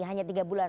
hanya tiga bulan